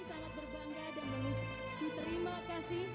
kami sangat berbangga dan menurutku terima kasih